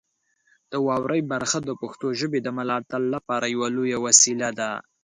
د واورئ برخه د پښتو ژبې د ملاتړ لپاره یوه لویه وسیله ده.